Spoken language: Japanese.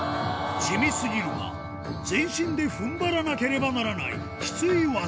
地味すぎるが全身で踏ん張らなければならないきつい技